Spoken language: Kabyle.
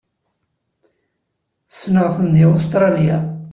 Ssneɣ-ten deg Ustṛalya.